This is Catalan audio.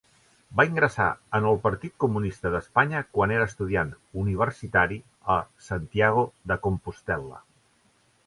Va ingressar en el Partit Comunista d'Espanya quan era estudiant universitari a Santiago de Compostel·la.